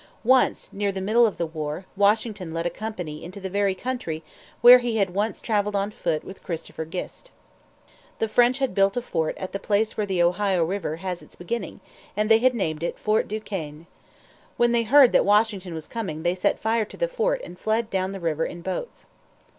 Once, near the middle of the war, Washington led a company into the very country where he had once traveled on foot with Christopher Gist. The French had built a fort at the place where the Ohio River has its beginning, and they had named it Fort Duquesne. When they heard that Washington was coming they set fire to the fort and fled down the river in boats.